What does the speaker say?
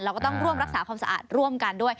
แล้วก็ต้องร่วมรักษาความสะอาดร่วมกันด้วย